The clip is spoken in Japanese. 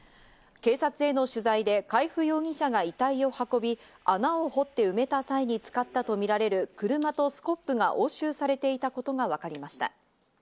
警察への取材で海部容疑者が遺体を運び、穴を掘って埋めた際に使ったとみられる車とスコップが押収されていたことがわかりました。